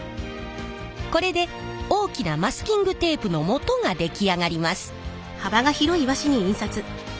これで大きなマスキングテープのもとが出来上がります。